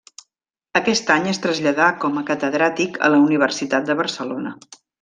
Aquest any es traslladà com a catedràtic a la Universitat de Barcelona.